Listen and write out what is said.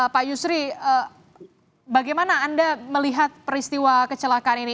pak yusri bagaimana anda melihat peristiwa kecelakaan ini